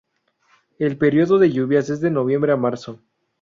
El período de lluvias es de noviembre a marzo.